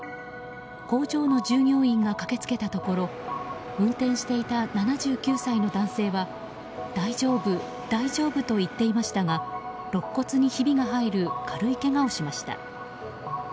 工場の従業員が駆け付けたところ運転手していた７９歳の男性は大丈夫、大丈夫と言っていましたがろっ骨にひびが入る軽いけがをしました。